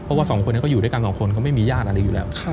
เพราะว่าสองคนนี้เขาอยู่ด้วยกันสองคนเขาไม่มีญาติอะไรอยู่แล้ว